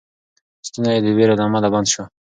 ستونی یې د وېرې له امله بند شو.